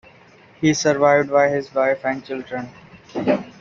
He is survived by his wife and children.